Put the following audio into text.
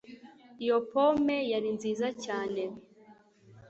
iyo pome yari nziza cyane